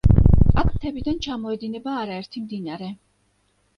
აქ მთებიდან ჩამოედინება არაერთი მდინარე.